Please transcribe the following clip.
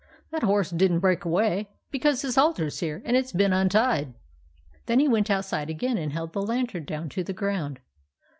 "That horse didn't break away, because his halter 's here, and it 's been untied." Then he went outside again and held the lantern down to the ground.